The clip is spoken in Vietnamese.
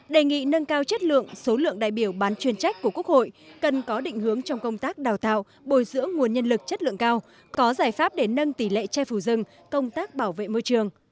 đề nghị nâng cao chất lượng số lượng đại biểu bán chuyên trách của quốc hội cần có định hướng trong công tác đào tạo bồi dưỡng nguồn nhân lực chất lượng cao có giải pháp để nâng tỷ lệ che phủ rừng công tác bảo vệ môi trường